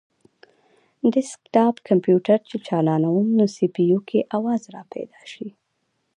ډیسکټاپ کمپیوټر چې چالانووم نو سي پي یو کې اواز راپیدا شي